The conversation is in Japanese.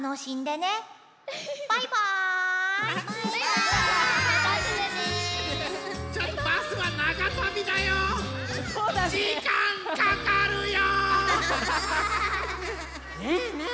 ねえねえ